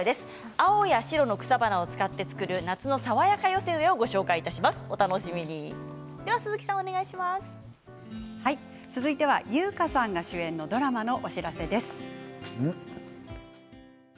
青や白の草花を使って作る夏の爽やか寄せ植えを続いては優香さんが主演のドラマのお知らせです。